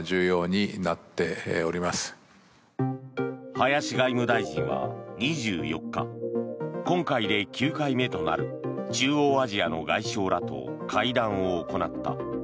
林外務大臣は２４日今回で９回目となる中央アジアの外相らと会談を行った。